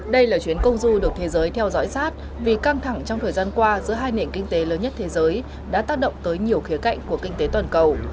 đây là chuyến công du được thế giới theo dõi sát vì căng thẳng trong thời gian qua giữa hai nền kinh tế lớn nhất thế giới đã tác động tới nhiều khía cạnh của kinh tế toàn cầu